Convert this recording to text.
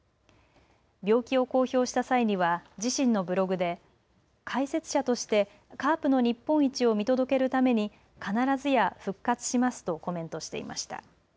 病気を公表した際には自身のブログで解説者としてカープの日本一を見届けるために必ずや復活しますとコメントしていました。